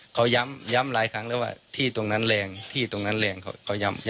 เขาย้ำหลายครั้งแล้วว่าที่ตรงนั้นแรงที่ตรงนั้นแรงเขาย้ำ